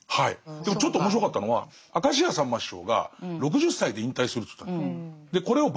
でもちょっと面白かったのは明石家さんま師匠が６０歳で引退すると言ったんです。